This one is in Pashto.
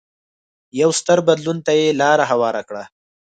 یو ستر بدلون ته یې لار هواره کړه.